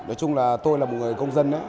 nói chung là tôi là một người công dân